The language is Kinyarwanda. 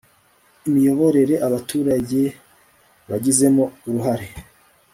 imiyoborere abaturage bagizemo uruhare